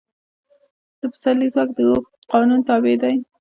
د پسرلي ځواک د هوک قانون تابع دی.